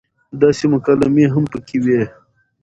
داسې مکالمې هم پکې وې